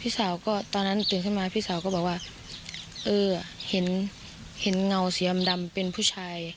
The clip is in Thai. สาวก็ตอนนั้นตื่นขึ้นมาพี่สาวก็บอกว่าเออเห็นเห็นเงาสีดำเป็นผู้ชาย